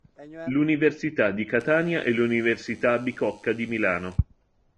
L'Università di Catania e L'Università Bicocca di Milano.